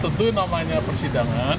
tentu namanya persidangan